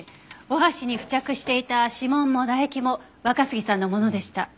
お箸に付着していた指紋も唾液も若杉さんのものでした。